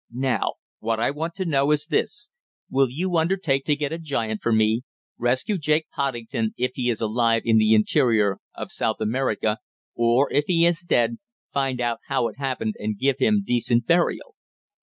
"Now, what I want to know is this: Will you undertake to get a giant for me, rescue Jake Poddington if he is alive in the interior of South America, or, if he is dead, find out how it happened and give him decent burial?